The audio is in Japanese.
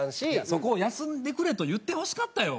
そこを「休んでくれ」と言ってほしかったよ